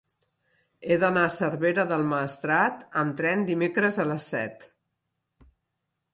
He d'anar a Cervera del Maestrat amb tren dimecres a les set.